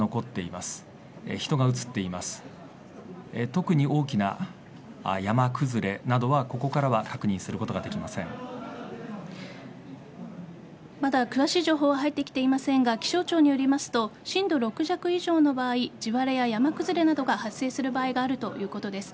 まだ詳しい情報は入ってきていませんが気象庁によりますと震度６弱以上の場合地割れや山崩れなどが発生する場合があるということです。